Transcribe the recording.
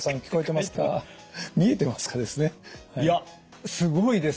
いやすごいです。